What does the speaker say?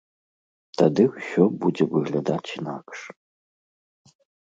Тады ўсё будзе выглядаць інакш.